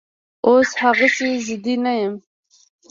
اوس هغسې ضدي نه یم